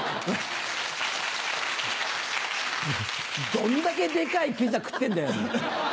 どんだけデカいピザ食ってんだよ。